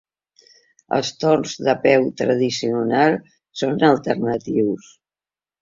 Els torns de peu tradicionals són alternatius.